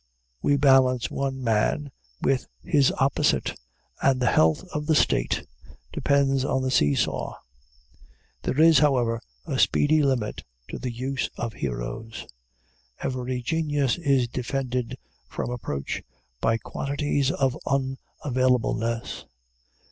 We balance one man with his opposite, and the health of the State depends on the see saw. There is, however, a speedy limit to the use of heroes. Every genius is defended from approach by quantities of unavailableness.